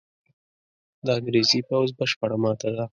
د انګرېزي پوځ بشپړه ماته ده.